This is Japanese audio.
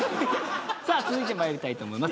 さあ続いて参りたいと思います。